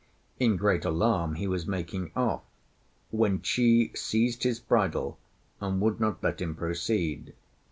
In great alarm he was making off, when Chi seized his bridle and would not let him proceed.